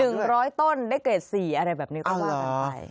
ปลูกต้นมะขามด้วยได้เก็บสีอะไรแบบนี้ก็ว่ากันไป